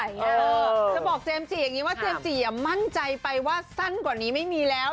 จะบอกเจนเจอะอย่างงี้ว่าเจนเจอะมา่มั่นใจไปว่าสั้นกว่านี้ไม่มีแล้ว